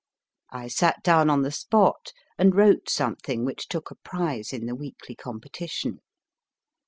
I sat down on the spot, and wrote something which took a prize in the weekly competition.